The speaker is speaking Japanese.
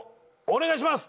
お願いします